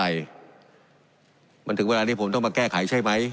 อะไรมันถึงเวลานี้ผมต้องมาแก้ไขใช่ไหมละ